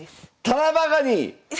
タラバガニ！